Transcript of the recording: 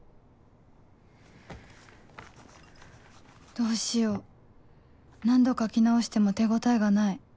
どうしよう何度描き直しても手応えがない